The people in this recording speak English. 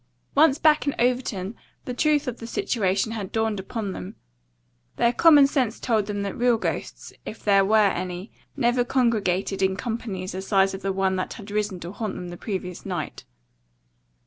Once back in Overton, the truth of the situation had dawned upon them. Their common sense told them that real ghosts, if there were any, never congregated in companies the size of the one that had risen to haunt them the previous night.